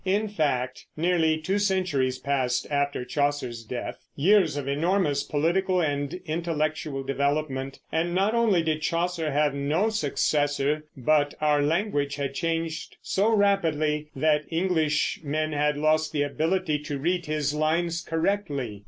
In fact, nearly two centuries passed after Chaucer's death, years of enormous political and intellectual development, and not only did Chaucer have no successor but our language had changed so rapidly that Englishmen had lost the ability to read his lines correctly.